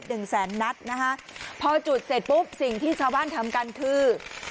หนึ่งแสนนัดนะคะพอจุดเสร็จปุ๊บสิ่งที่ชาวบ้านทำกันคือ